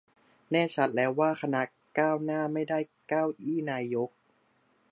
แน่ชัดแล้วว่า คณะก้าวหน้า ไม่ได้เก้าอี้นายก